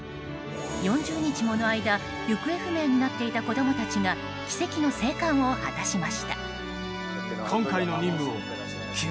４０日もの間行方不明になっていた子供たちが奇跡の生還を果たしました。